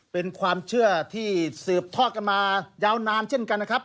เป็นความเชื่อที่สืบทอดกันมายาวนานเช่นกันนะครับ